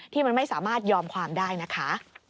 ที่มันไม่สามารถยอมความได้นะคะ